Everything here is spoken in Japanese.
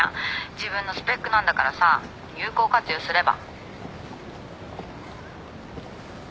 自分のスペックなんだからさ有効活用すれば。